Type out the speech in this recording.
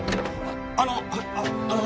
あのあの。